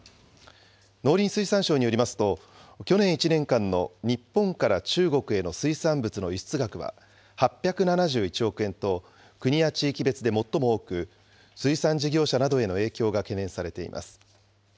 農林水産省によりますと、去年１年間の日本から中国への水産物の輸出額は８７１億円と、国や地域別で最も多く、水産事業者などへの影響が懸念されています。